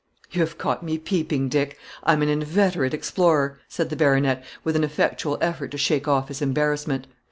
"You have caught me peeping, Dick. I am an inveterate explorer," said the baronet, with an effectual effort to shake off his embarrassment.